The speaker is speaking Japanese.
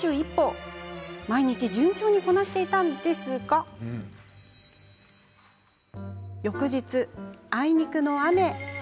毎日順調にこなしていましたが翌日、あいにくの雨。